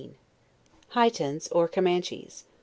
HIETANS, OR COMANCHES.